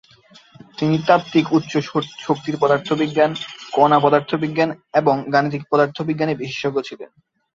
তিনি তাত্ত্বিক উচ্চ শক্তির পদার্থবিজ্ঞান, কণা পদার্থবিজ্ঞান এবং গাণিতিক পদার্থবিজ্ঞানে বিশেষজ্ঞ ছিলেন।